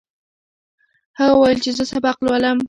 هغه وویل چې زه سبق لولم.